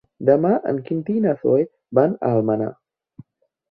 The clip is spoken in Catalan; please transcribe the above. Demà en Quintí i na Zoè van a Almenar.